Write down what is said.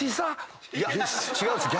違うんですよ。